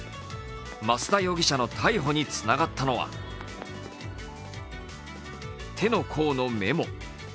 増田容疑者の逮捕につながったのは手の甲のメモ。